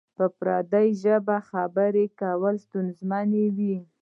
په پردۍ ژبه خبری کول ستونزمن وی؟